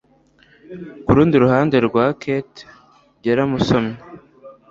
kurundi ruhande rwa kate yaramusomye